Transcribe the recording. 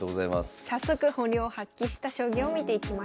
さあ早速本領発揮した将棋を見ていきましょう。